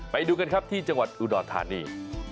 ไปดูกันครับที่จังหวัดอุดรธานี